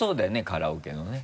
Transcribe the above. カラオケのね。